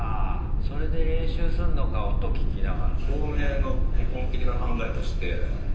それで練習すんのか音聴きながら。